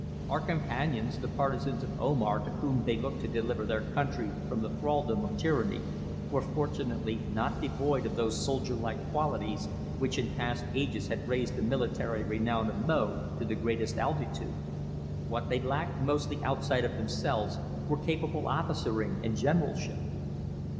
Our companions, the partisans of Omar to whom they looked to deliver their country from the thraldom of tyranny, were fortunately not devoid of those soldier like qualities which in past ages had raised the military renown of Mo to the greatest altitude; what they lacked mostly outside of themselves were capable officering and generalship.